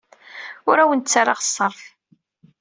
Ur awent-d-ttarraɣ ṣṣerf.